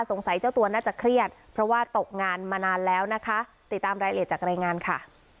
สงสัยเจ้าตัวน่าจะเครียดเพราะว่าตกงานมานานแล้วนะคะ